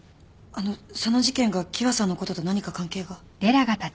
あのその事件が喜和さんのことと何か関係が？